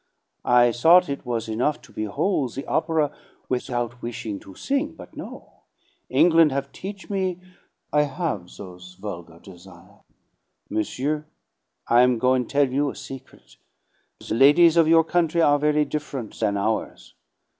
I thought it was enough to behol' the opera without wishing to sing; but no, England have teach' me I have those vulgar desire'. Monsieur, I am goin' tell you a secret: the ladies of your country are very diff'runt than ours.